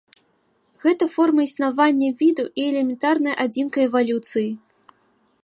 Гэта форма існавання віду і элементарная адзінка эвалюцыі.